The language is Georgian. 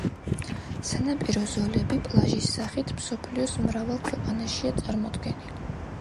სანაპირო ზოლები პლაჟის სახით მსოფლიოს მრავალ ქვეყანაშია წარმოდგენილი.